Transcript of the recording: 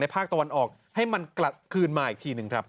ภาคตะวันออกให้มันกลับคืนมาอีกทีหนึ่งครับ